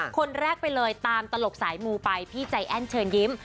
คนแรกไปเลยตามตลกสายมูไปพี่ใจแอ้นเชิญยิ้ม